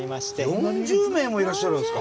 ４０名もいらっしゃるんですか？